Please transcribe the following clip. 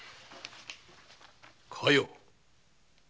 加代。